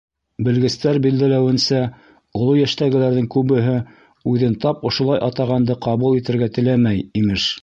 Белгестәр билдәләүенсә, оло йәштәгеләрҙең күбеһе үҙен тап ошолай атағанды ҡабул итергә теләмәй, имеш.